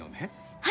はい！